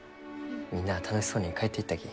みんなあ楽しそうに帰っていったき。